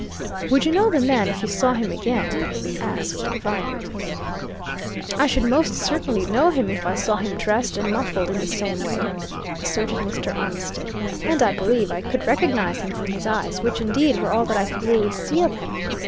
"Would you know the man if you saw him again?" asked Viner. "I should most certainly know him if I saw him dressed and muffled in the same way," asserted Mr. Armitstead. "And I believe I could recognize him from his eyes which, indeed, were all that I could really see of him.